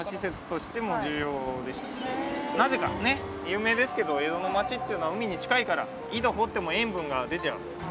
有名ですけど江戸の街っていうのは海に近いから井戸を掘っても塩分が出ちゃいます。